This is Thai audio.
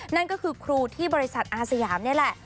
นั่นก็คือครูที่บริษัทอาสยามนี่แหละ